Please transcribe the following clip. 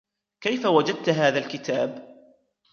كيف وجدت هذا الكتاب ؟